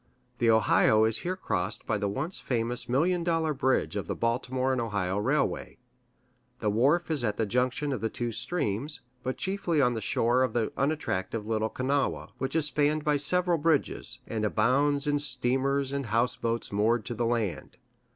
The Ohio is here crossed by the once famous million dollar bridge of the Baltimore & Ohio railway. The wharf is at the junction of the two streams, but chiefly on the shore of the unattractive Little Kanawha, which is spanned by several bridges, and abounds in steamers and houseboats moored to the land.